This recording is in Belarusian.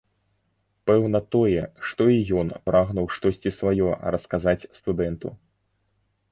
Пэўна тое, што і ён прагнуў штосьці сваё расказаць студэнту.